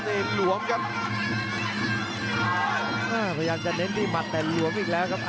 อันวัดเบียดเขามาอันวัดโดนชวนแรกแล้ววางแค่ขวาแล้วเสียบด้วยเขาซ้าย